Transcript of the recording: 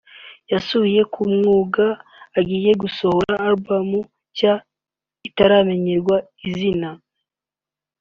yasubiye ku mwuga agiye gusohora Alubum nshya itaramenyerwa izina